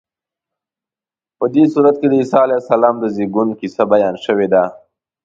په دې سورت کې د عیسی علیه السلام د زېږون کیسه بیان شوې ده.